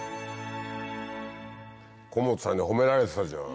小本さんに褒められてたじゃん。